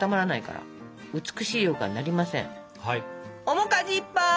面かじいっぱい！